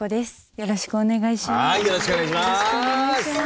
よろしくお願いします。